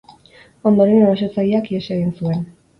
Ondoren erasotzaileak ihes egin zuen.